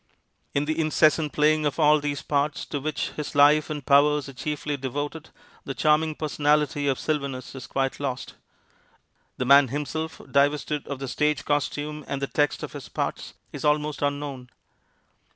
In the incessant playing of all these parts to which his life and powers are chiefly devoted the charming personality of Sylvanus is quite lost. The man himself, divested of the stage costume and the text of his parts, is almost unknown.